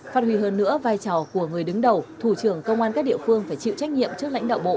phát huy hơn nữa vai trò của người đứng đầu thủ trưởng công an các địa phương phải chịu trách nhiệm trước lãnh đạo bộ